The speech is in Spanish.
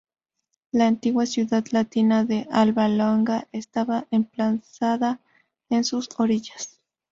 La antigua ciudad latina de Alba Longa estaba emplazada en sus orillas.